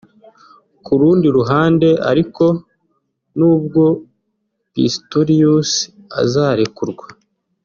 Ku rundi ruhande ariko nubwo Pistorius azarekurwa